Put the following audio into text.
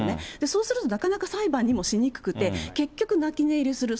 そうするとなかなか裁判にもしにくくて、結局泣き寝入りする。